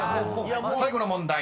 ［最後の問題